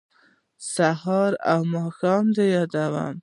سهار او ماښام دې یادوم